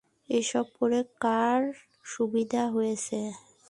এসব করে কার সুবিধা হয়েছে?